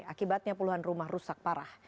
akibatnya puluhan rumah rusak parah